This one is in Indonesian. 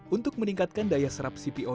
untuk meningkatkan daya serap cpo